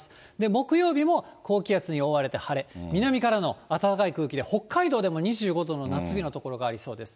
木曜日も高気圧に覆われて晴れ、南からの暖かい空気で、北海道でも２５度の夏日の所がありそうです。